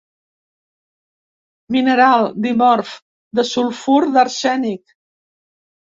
Mineral dimorf del sulfur d'arsènic.